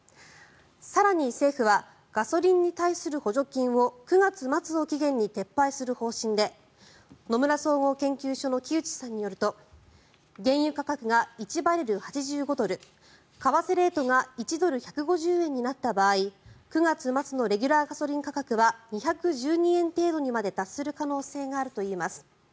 更に、政府はガソリンに対する補助金を９月末を期限に撤廃する方針で野村総合研究所の木内さんによると原油価格が１バレル＝８５ドル為替レートが１ドル＝１５０円になった場合９月末のレギュラーガソリン価格は２１２円程度にまで達する可能性があるといいます。